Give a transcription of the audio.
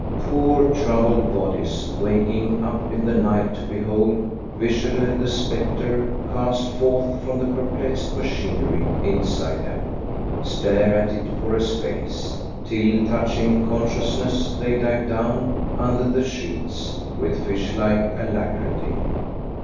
Poor troubled bodies waking up in the night to behold visually the spectre cast forth from the perplexed machinery inside them, stare at it for a space, till touching consciousness they dive down under the sheets with fish like alacrity.